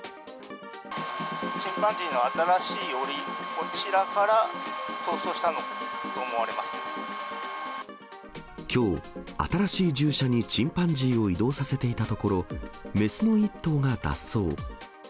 チンパンジーの新しいおり、きょう、新しい獣舎にチンパンジーを移動させていたところ、雌の１頭が脱走。